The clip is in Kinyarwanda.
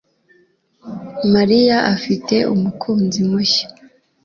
Mariya afite umukunzi mushya